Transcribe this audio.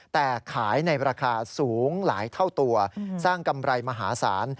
แต่ขายในราคาสูงหลายเท่าตัวสร้างกำไรมหาศาล